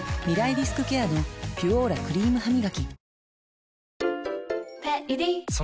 リスクケアの「ピュオーラ」クリームハミガキ